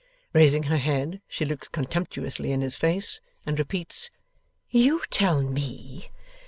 Raising her head, she looks contemptuously in his face, and repeats, 'You tell me!